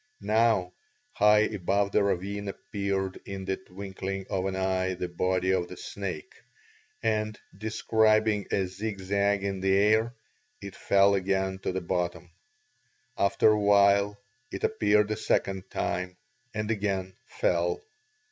Now high above the ravine appeared in the twinkling of an eye the body of the snake, and, describing a zigzag in the air, it fell again to the bottom. After a while it appeared a second time and again fell.